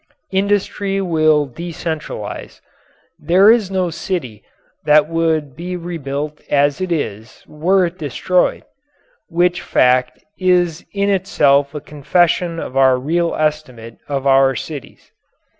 Industry will decentralize. There is no city that would be rebuilt as it is, were it destroyed which fact is in itself a confession of our real estimate of our cities.